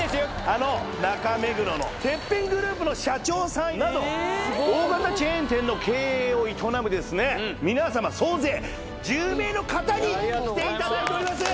あの中目黒のてっぺんグループの社長さんなど大型チェーン店の経営を営む皆様総勢１０名の方に来ていただいております！